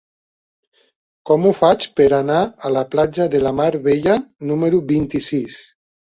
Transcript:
Com ho faig per anar a la platja de la Mar Bella número vint-i-sis?